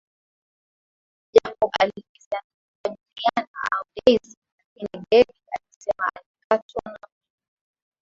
Jacob alihisi angekuwa Juliana au Daisy lakini Debby alisema alikatwa na mwanaume